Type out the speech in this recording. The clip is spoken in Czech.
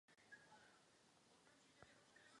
Jsou ostatně vydáni na milost poskytovatelům zdravotní péče.